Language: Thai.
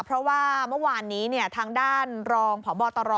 เพราะว่าเมื่อวานนี้ทางด้านรองพบตร